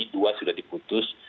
dua sudah diputus